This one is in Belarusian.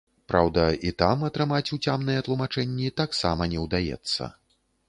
Праўда, і там атрымаць уцямныя тлумачэнні таксама не ўдаецца.